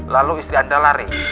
lalu istri anda lari